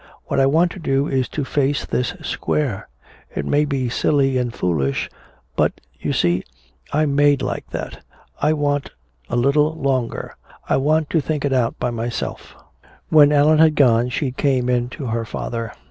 What I want to do is to face this square! It may be silly and foolish but you see, I'm made like that. I want a little longer I want to think it out by myself." When Allan had gone she came in to her father.